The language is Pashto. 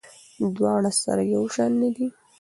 دواړه سره یو شان نه دي.